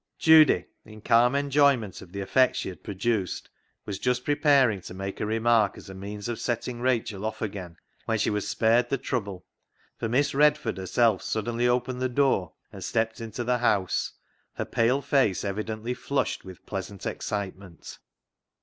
Judy, in calm enjoyment of the effect she had produced, was just preparing to make a remark as a means of setting Rachel off again, when she was spared the trouble, for Miss Redford herself suddenly opened the door and stepped into the house, her pale face evidently flushed with pleasant excitement.